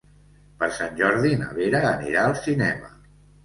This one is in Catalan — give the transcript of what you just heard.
Per Sant Jordi na Vera anirà al cinema.